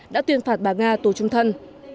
đã tuyên phạt bà nga tù trung thân